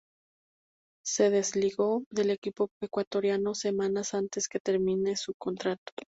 Se desligó del equipo ecuatoriano semanas antes que termine su contrato.